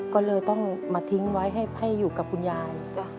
ก็เลยต้องมาทิ้งไว้ให้อยู่กับคุณยาย